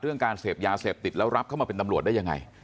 การเสพยาเสพติดแล้วรับเข้ามาเป็นตำรวจได้ยังไง